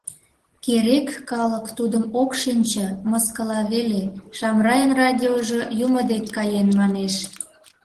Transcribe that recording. — Керек, калык тудым ок шинче, мыскыла веле, «Шамрайын радиожо юмо дек каен» манеш.